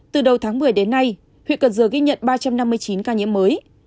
từ đầu tháng một mươi đến nay huyện cần dừa ghi nhận ba trăm năm mươi chín ca nhiễm mới